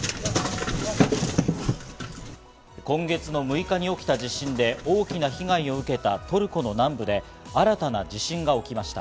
今月６日に起きた地震で大きな被害を受けたトルコの南部で新たな地震が起きました。